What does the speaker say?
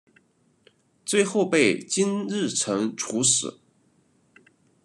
最后被金日成处死。